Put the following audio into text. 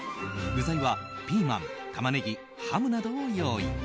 具材はピーマン、タマネギハムなどを用意。